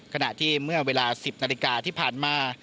ขณะที่เมื่อเวลา๑๐นาฬิกาที่ผ่านมา